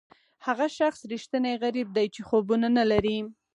هغه شخص ریښتینی غریب دی چې خوبونه نه لري.